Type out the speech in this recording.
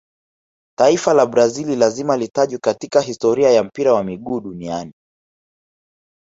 taifa la brazili lazima litajwe katika historia ya mpira wa miguu duniani